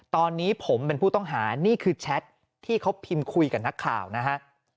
ตอนนี้ผมเป็นผู้ต้องหานี่คือแชทที่เขาพิมพ์คุยกับนักข่าวนะฮะ